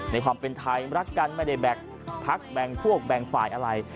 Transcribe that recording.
ในความเป็นไทยรักกันไม่ได้แบ่งพักแบ่งพวกแบ่งฝ่ายอะไร